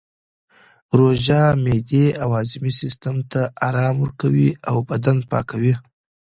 روژه معدې او هاضمې سیستم ته ارام ورکوي او بدن پاکوي